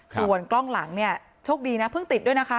ส่วนกล้องหลังเนี่ยโชคดีนะเพิ่งติดด้วยนะคะ